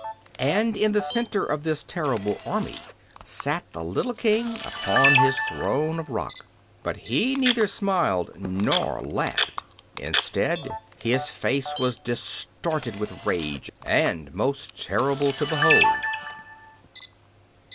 And in the center of this terrible army sat the little King upon his throne of rock. But he neither smiled nor laughed. Instead, his face was distorted with rage, and most dreadful to behold.